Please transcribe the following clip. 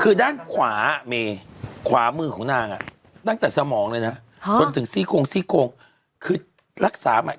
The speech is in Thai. คือด้านขวามือของนางนั้นตั้งแต่สมองเลยนะถึงซีกงซีกงก็รักษามาละ